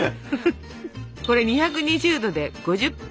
これ２２０℃で５０分。